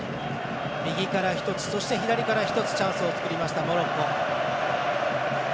右から１つ、左から１つチャンスを作りました、モロッコ。